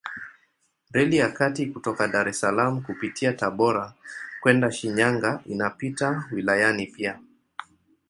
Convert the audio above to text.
Reli ya kati kutoka Dar es Salaam kupitia Tabora kwenda Shinyanga inapita wilayani pia.